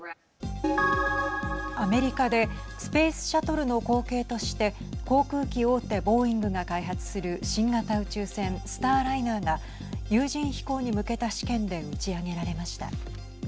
アメリカでスペースシャトルの後継として航空機大手ボーイングが開発する新型宇宙船スターライナーが有人飛行に向けた試験で打ち上げられました。